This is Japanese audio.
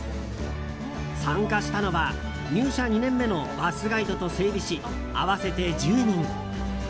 参加したのは入社２年目のバスガイドと整備士合わせて１０人。